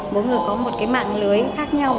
mỗi người có một cái mạng lưới khác nhau